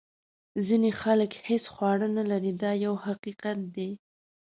ځینې خلک هیڅ خواړه نه لري دا یو حقیقت دی.